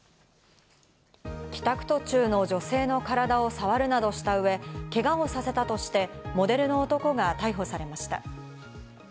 帰宅途中の女性の体を触るなどしたうえ、けがをさせたとして、モデルの男が逮捕されました。